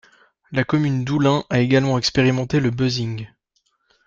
La commune d'Oullins a également expérimenté le busing.